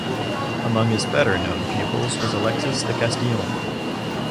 Among his better known pupils was Alexis de Castillon.